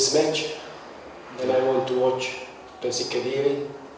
kemudian saya ingin menonton persib kediri